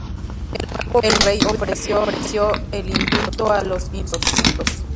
El nuevo virrey ofreció el indulto a los insurrectos.